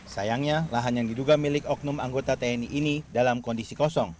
sayangnya lahan yang diduga milik oknum anggota tni ini dalam kondisi kosong